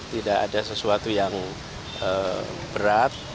tidak ada sesuatu yang berat